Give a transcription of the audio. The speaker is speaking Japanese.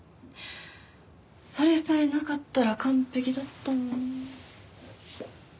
それさえなかったら完璧だったのに。